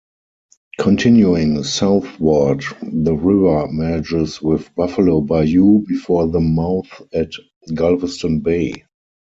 Continuing southward, the river merges with Buffalo Bayou before the mouth at Galveston Bay.